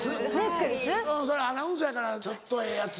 アナウンサーやからちょっとええやつ。